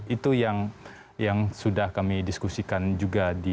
itu yang sudah kami diskusikan juga di